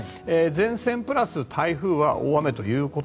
前線プラス台風は大雨と。